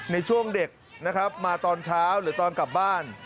ในช่วงเด็กนะครับมาตอนเช้าหรือตอนกลับบ้าน